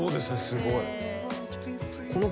すごい。